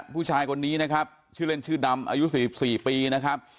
ผู้ชายคนนี้นะครับชื่อเล่นชื่อดำอายุ๔๔ปีนะครับ